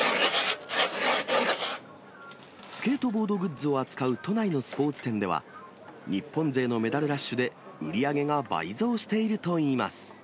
スケートボードグッズを扱う都内のスポーツ店では、日本勢のメダルラッシュで売り上げが倍増しているといいます。